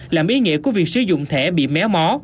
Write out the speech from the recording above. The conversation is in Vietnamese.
làm ý nghĩa của việc sử dụng thẻ bị méo mó